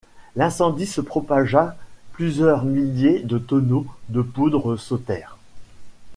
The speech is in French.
L'incendie se propagea ; plusieurs milliers de tonneaux de poudre sautèrent.